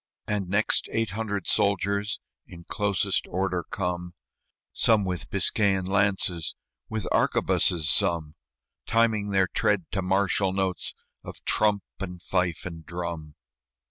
And next eight hundred soldiers In closest order come, Some with Biscayan lances, With arquebuses some, Timing their tread to martial notes Of trump and fife and drum.